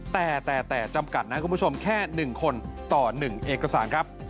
แต่แต่จำกัดนะคุณผู้ชมแค่๑คนต่อ๑เอกสารครับ